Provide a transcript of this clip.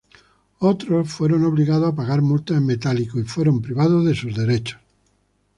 Otros fueron obligados a pagar multas en metálico y fueron privados de sus derechos.